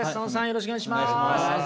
よろしくお願いします。